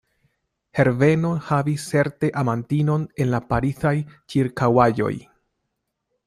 Herbeno havis certe amantinon en la Parizaj ĉirkaŭaĵoj.